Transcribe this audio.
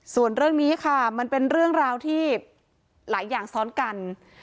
ส่วนเรื่องนี้ค่ะมันเป็นเรื่องราวที่หลายอย่างซ้อนกัน